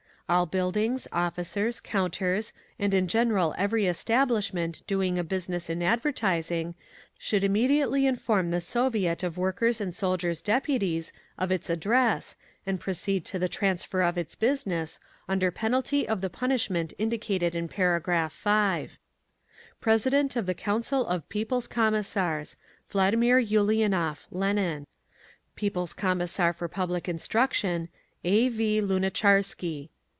All buildings, officers, counters, and in general every establishment doing a business in advertising, should immediately inform the Soviet of Workers' and Soldiers' Deputies of its address, and proceed to the transfer of its business, under penalty of the punishment indicated in paragraph 5. President of the Council of People's Commissars, VL. ULIANOV (LENIN). People's Commissar for Public Instruction, A. V. LUNATCHARSKY.